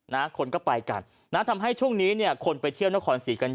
นะคนก็ไปกันนะทำให้ช่วงนี้เนี่ยคนไปเที่ยวนครศรีกัน